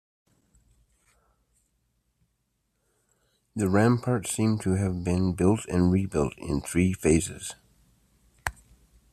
The ramparts seem to have been built and rebuilt in three phases.